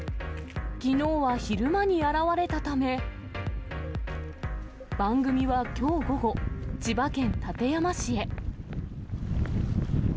きのうは昼間に現れたため、番組はきょう午後、千葉県館山市へ。